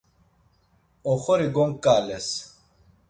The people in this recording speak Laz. Oxori gonǩales.